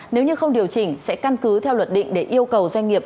nếu như không điều chỉnh sẽ căn cứ theo luật định để yêu cầu doanh nghiệp